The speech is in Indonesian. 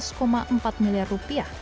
menelan biaya tujuh belas empat miliar rupiah